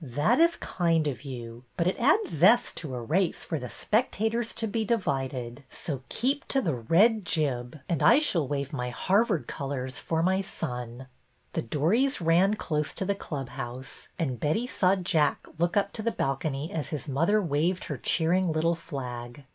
That is kind of you, but it adds zest to a race for the spectators to be divided, so keep to the 94 BETTY BAIRD'S VENTURES red jib, and I shall wave my Harvard colors for my son." The dories ran close to the club house, and Betty saw Jack look up to the balcony as his mother waved her cheering little flag.